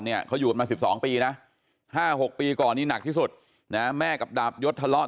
เนี่ยเขาอยู่กันมา๑๒ปีนะ๕๖ปีก่อนนี้หนักที่สุดนะแม่กับดาบยศทะเลาะ